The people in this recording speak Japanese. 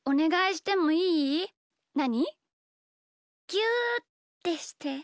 ぎゅうってして！